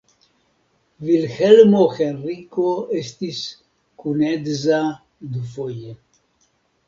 Vilhelmo Henriko estis kunedza dufoje.